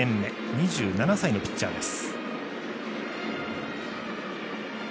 ２７歳のピッチャーです。